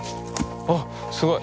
あっすごい。